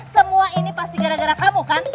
semua ini pasti gara gara kamu kan